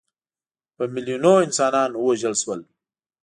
په میلیونونو انسانان ووژل شول.